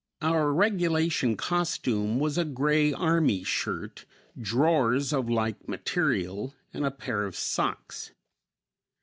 Our regulation costume was a gray army shirt, drawers of like material, and a pair of socks.